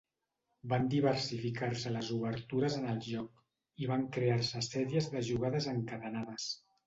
Van diversificar-se les obertures en el joc i van crear-se sèries de jugades encadenades.